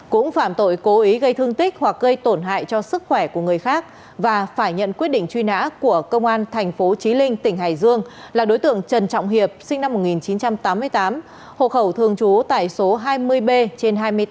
cũng phạm tội cố ý gây thương tích hoặc gây tổn hại cho sức khỏe của người khác và phải nhận quyết định truy nã của công an thành phố trí linh tỉnh hải dương là đối tượng trần trọng hiệp sinh năm một nghìn chín trăm tám mươi tám hộ khẩu thường trú tại số hai mươi b trên hai mươi tám